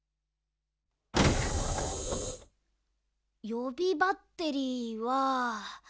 よびバッテリーは。